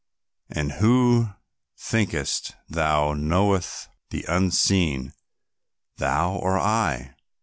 "And who, thinkest thou, knoweth the unseen, thou or I?